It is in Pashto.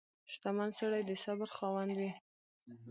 • شتمن سړی د صبر خاوند وي.